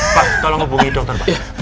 pak tolong hubungi dokter